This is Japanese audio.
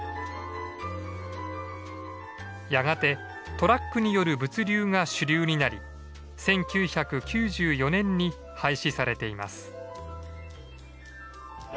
やがてトラックによる物流が主流になり１９９４年に廃止されています。